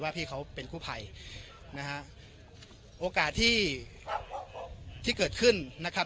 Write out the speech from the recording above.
พี่เขาเป็นกู้ภัยนะฮะโอกาสที่ที่เกิดขึ้นนะครับ